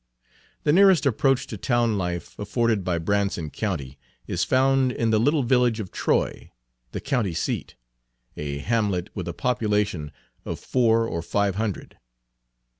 The nearest approach to town life afforded by Branson County is found in the little village of Troy, the county seat, a hamlet with a population of four or five hundred.